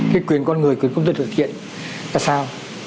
cái quyền con người quyền công dân thực hiện là sao